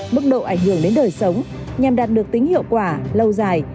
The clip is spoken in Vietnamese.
mức độ ảnh hưởng đến đời sống nhằm đạt được tính hiệu quả lâu dài